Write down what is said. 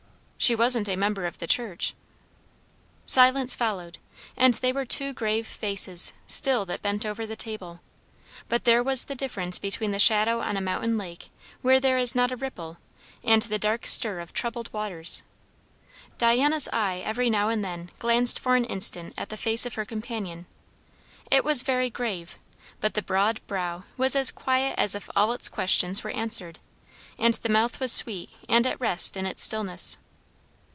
"She wasn't a member of the church." Silence followed, and they were two grave faces still that bent over the table; but there was the difference between the shadow on a mountain lake where there is not a ripple, and the dark stir of troubled waters. Diana's eye every now and then glanced for an instant at the face of her companion; it was very grave, but the broad brow was as quiet as if all its questions were answered, and the mouth was sweet and at rest in its stillness.